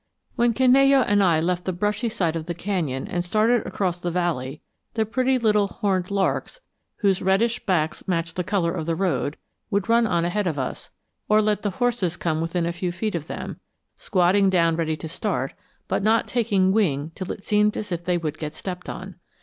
When Canello and I left the brushy side of the canyon and started across the valley, the pretty little horned larks, whose reddish backs matched the color of the road, would run on ahead of us, or let the horses come within a few feet of them, squatting down ready to start, but not taking wing till it seemed as if they would get stepped on.